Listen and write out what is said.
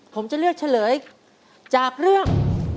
ผมจะเลือกเฉลยจากเรื่อง